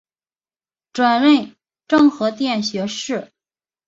转任政和殿学士。